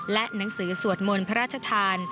และหนังสือสวดมนต์พระราชทาน